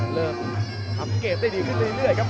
เริ่มทำเกมได้ดีขึ้นเรื่อยครับ